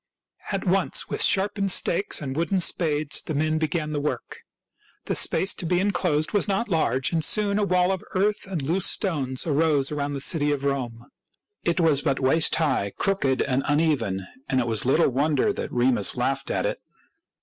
At once, with sharpened stakes and wooden spades, the men began the work. The space to be inclosed was not large, and soon a wall of earth and loose stones arose around the new city of Rome. It was but waist high, crooked, and uneven ; and it was little wonder that Remus laughed at it.